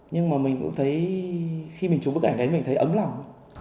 nhưng mà mình cũng thấy khi mình chụp bức ảnh đấy mình thấy ấm lòng